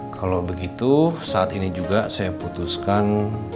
kalau begitu saat ini juga saya putuskan